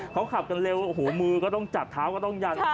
เขาขับกันเร็วโอ้โหมือก็ต้องจับเท้าก็ต้องยัน